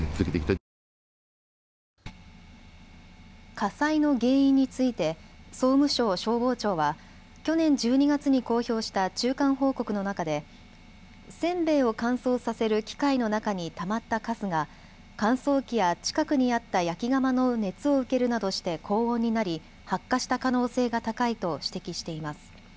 火災の原因について総務省消防庁は去年１２月に公表した中間報告の中でせんべいを乾燥させる機械の中にたまったかすが乾燥機や近くにあった焼き釜の熱を受けるなどして高温になり発火した可能性が高いと指摘しています。